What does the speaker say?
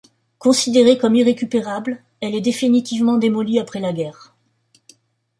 Considérée comme irrécupérable, elle est définitivement démolie après la guerre.